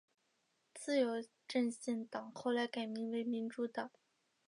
自由阵线党后来改名为民主党。